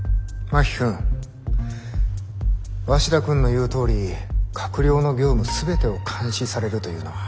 真木君鷲田君の言うとおり閣僚の業務全てを監視されるというのは。